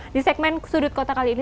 di segmen sudut kota kali ini